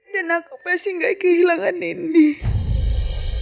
dan aku pasti gak kehilangan nenek